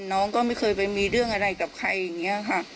น้องก็ไม่เคยไปมีเรื่องอะไรกับใครอย่างนี้ค่ะ